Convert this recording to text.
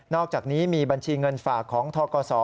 อกจากนี้มีบัญชีเงินฝากของทกศ